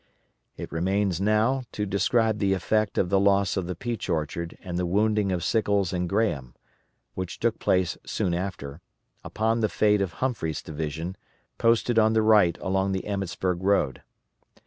It remains now to describe the effect of the loss of the Peach Orchard and the wounding of Sickles and Graham which took place soon after upon the fate of Humphreys' division, posted on the right along the Emmetsburg road.